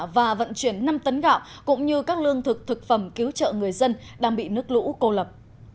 và vận chuyển năm tấn gạo cũng như các lương thực thực phẩm cứu trợ người dân đang bị nước lũ cô lập